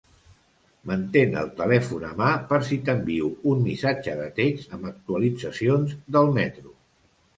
Mantén el telèfon a mà per si t'envio un missatge de text amb actualitzacions del metro.